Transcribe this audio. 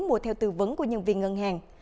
mua theo tư vấn của nhân viên ngân hàng